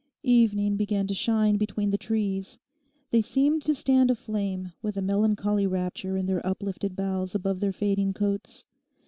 Evening began to shine between the trees; they seemed to stand aflame, with a melancholy rapture in their uplifted boughs above their fading coats.